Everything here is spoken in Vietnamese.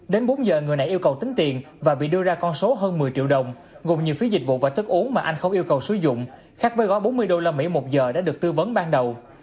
đến bốn giờ người này yêu cầu tính tiền và bị đưa ra con số hơn một mươi triệu đồng gồm nhiều phí dịch vụ và thức uống mà anh không yêu cầu sử dụng khác với gói bốn mươi usd một giờ đã được tư vấn ban đầu